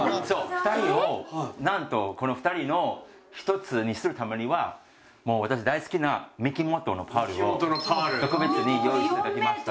２人をなんとこの２人の１つにするためには私大好きなミキモトのパールを特別に用意していただきました。